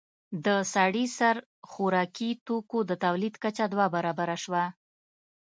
د سړي سر خوراکي توکو د تولید کچه دوه برابره شوه